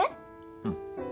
うん。